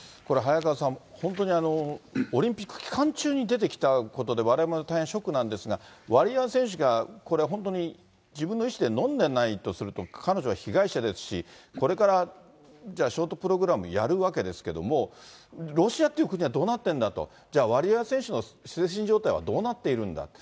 早川さん、本当にオリンピック期間中に出てきたことで、われわれも大変ショックなんですが、ワリエワ選手が、これ、本当に、自分の意思で飲んでないとすると、彼女は被害者ですし、これからじゃあ、ショートプログラムやるわけですけれども、ロシアっていう国はどうなっているんだと、じゃあ、ワリエワ選手の精神状態はどうなっているんだ。